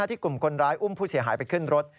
ที่กลุ่มคนร้ายอุ้มผู้เสียหายไปขึ้นรถ